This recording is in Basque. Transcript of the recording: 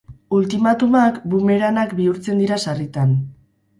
Ultimatumak bumeranak bihurtzen dira sarritan.